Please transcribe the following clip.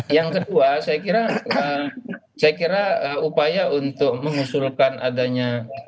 yang kedua saya kira upaya untuk mengusulkan adanya